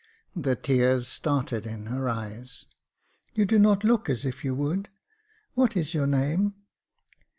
The tears started in her eyes. " You do not look as if you would. What is your name